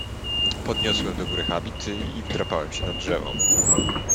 "Podniosłem do góry habit i wdrapałem się na drzewo."